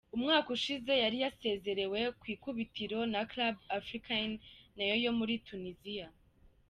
Umwaka ushize yari yasezerewe ku ikubitiro na Club Africain nayo yo muri Tuniziya.